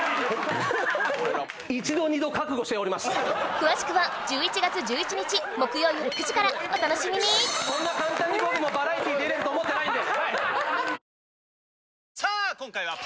詳しくは１１月１１日木曜よる９時からお楽しみにそんな簡単に僕もバラエティーに出れると思ってないんで。